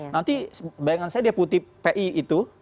nanti bayangan saya dia putih pi itu